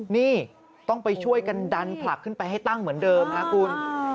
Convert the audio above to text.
นี่ต้องไปช่วยกันดันผลักขึ้นไปให้ตั้งเหมือนเดิมค่ะคุณ